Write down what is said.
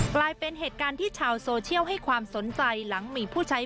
กลายเป็นเหตุการณ์ที่ชาวโซเชียลให้ความสนใจหลังมีผู้ใช้